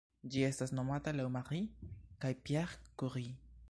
Ĝi estas nomata laŭ Marie kaj Pierre Curie.